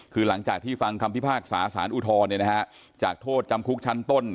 คือหลังจากที่ฟังคำพิพากษาสารอุทธรณ์จากโทษจำคุกชั้นต้น